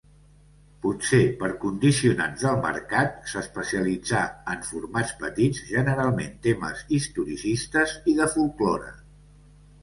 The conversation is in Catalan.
Potser per condicionants del mercat s'especialitzà en formats petits, generalment temes historicistes i de folklore.